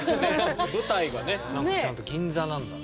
舞台がねちゃんと銀座なんだね。